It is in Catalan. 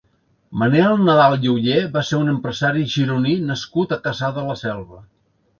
Manel Nadal i Oller va ser un empresari gironí nascut a Cassà de la Selva.